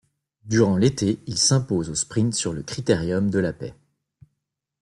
Durant l'été, il s'impose au sprint sur le Critérium de la Paix.